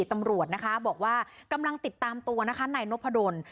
ตำรวจนะคะบอกว่ากำลังติดตามตัวนะคะนายนพดล